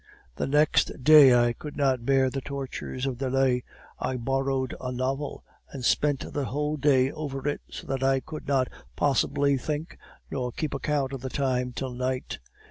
"The next day I could not bear the tortures of delay; I borrowed a novel, and spent the whole day over it, so that I could not possibly think nor keep account of the time till night.